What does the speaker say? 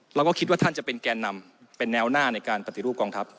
เราก็คิดว่าท่านจะเป็นแก่นำเป็นแนวหน้าในการปฏิรูปกองทัพ